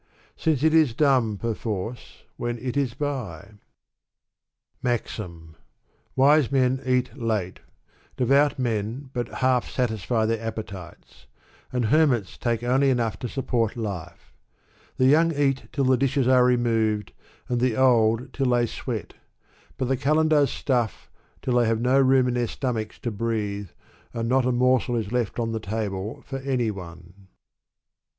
Since it is dumb, perforce, when it is by. I Digitized by Google Wise raen cat late; devout men but half satisfy their appetites; and hermits take only enough to support life ; the young eat till the dishes are removed^ and the old till they sweat ; but the Kalaodars ^ stuff till they have no room in their stomachs to breathe, and not a morsel is left on the table for any one.